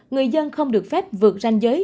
người dân không được phép vượt ranh giới